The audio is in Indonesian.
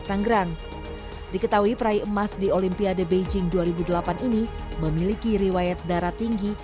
tanggerang diketahui peraih emas di olimpiade beijing dua ribu delapan ini memiliki riwayat darah tinggi